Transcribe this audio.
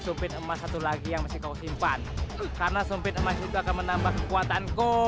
sumpit emas satu lagi yang masih kau simpan karena sumpit emas juga akan menambah kekuatanku